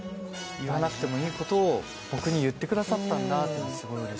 言わなくてもいいことを僕に言ってくださったんだって。